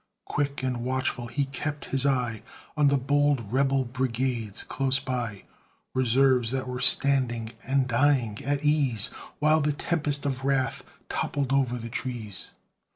Quick and watchful he kept his eye On the bold Rebel brigades close by, Reserves that were standing (and dying) at ease, While the tempest of wrath toppled over the trees.